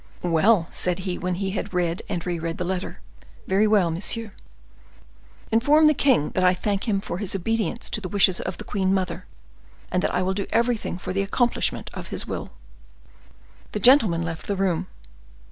"Well," said he, when he had read and reread the letter, "very well, monsieur. Inform the king that I thank him for his obedience to the wishes of the queen mother, and that I will do everything for the accomplishment of his will." The gentleman left the room.